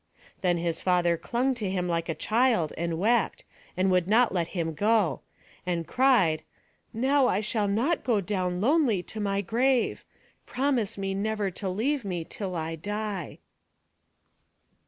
Then his father clung to him like a child, and wept, and would not let him go; and cried, "Now I shall not go down lonely to my grave. Promise me never to leave me till I die."